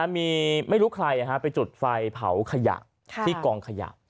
มีไม่รู้ใครไปจุดไฟเผาขยะที่กองขยะ